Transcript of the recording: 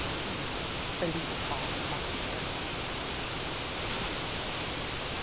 FILLING OF APERTURE.